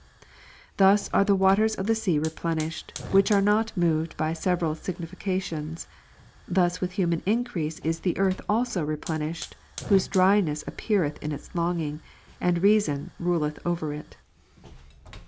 Thus are the ivaters of the sea replenished, which are not moved but by several significations : thus with human increase is the earth also replenished, whose dryness appeareth in its longing*^, and reason ruleth over it.